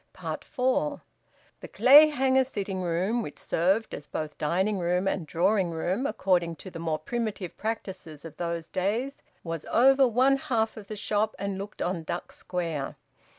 FOUR. The Clayhanger sitting room, which served as both dining room and drawing room, according to the more primitive practices of those days, was over one half of the shop, and looked on Duck Square.